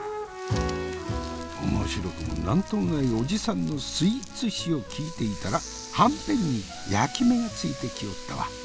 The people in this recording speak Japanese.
面白くも何ともないおじさんのスイーツ史を聞いていたらはんぺんに焼き目がついてきおったわ。